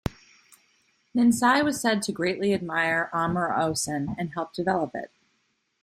Ninsai was said to greatly admire Arima Onsen and helped develop it.